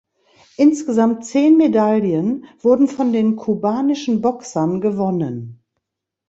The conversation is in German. Insgesamt zehn Medaillen wurden von den kubanischen Boxern gewonnen.